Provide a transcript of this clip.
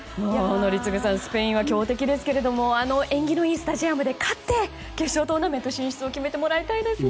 宜嗣さん、スペインは強敵ですけれどもあの縁起のいいスタジアムで勝って決勝トーナメント進出を決めてもらいたいですね。